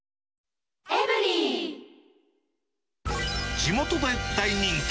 地元で大人気！